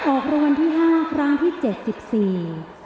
ออกรวมที่๕ครั้งที่๗๕